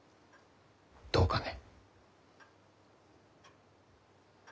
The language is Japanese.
どうかね？